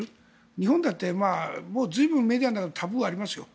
日本だって随分メディアでタブーはありますよ。